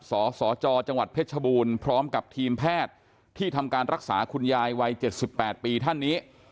สสจจังหวัดเพชรชบูรณ์พร้อมกับทีมแพทย์ที่ทำการรักษาคุณยายวัย๗๘ปีท่านนี้